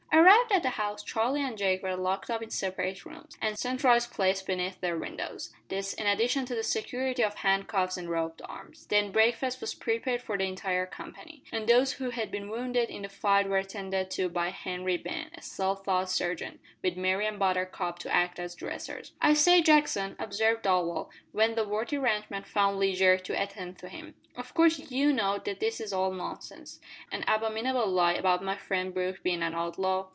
Arrived at the house, Charlie and Jake were locked up in separate rooms, and sentries placed beneath their windows this in addition to the security of hand cuffs and roped arms. Then breakfast was prepared for the entire company, and those who had been wounded in the fight were attended to by Hunky Ben a self taught surgeon with Mary and Buttercup to act as dressers. "I say, Jackson," observed Darvall, when the worthy ranch man found leisure to attend to him, "of course you know that this is all nonsense an abominable lie about my friend Brooke being an outlaw?"